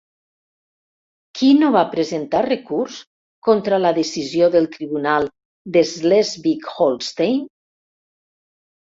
Qui no va presentar recurs contra la decisió del tribunal de Slesvig-Holstein?